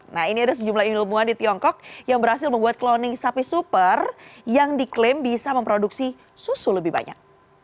nah ini ada sejumlah ilmuwan di tiongkok yang berhasil membuat kloning sapi super yang diklaim bisa memproduksi susu lebih banyak